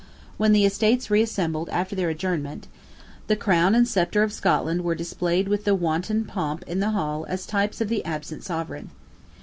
When the Estates reassembled after their adjournment, the crown and sceptre of Scotland were displayed with the wonted pomp in the hall as types of the absent sovereign.